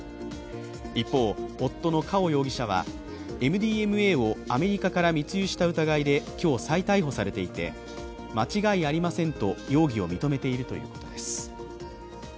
一方、夫のカオ容疑者はＭＤＭＡをアメリカから密輸した疑いで今日、再逮捕されていて間違いありませんと容疑を認めているということです。